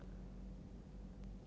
aku tidak minta tolong mas